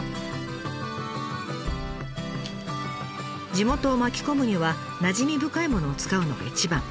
地元を巻き込むにはなじみ深いものを使うのが一番。